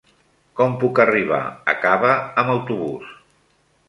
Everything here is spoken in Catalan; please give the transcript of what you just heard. Com puc arribar a Cava amb autobús?